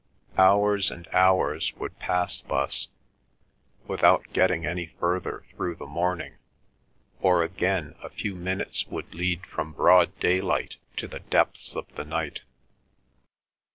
Hours and hours would pass thus, without getting any further through the morning, or again a few minutes would lead from broad daylight to the depths of the night.